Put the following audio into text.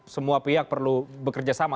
semua pihak perlu bekerja sama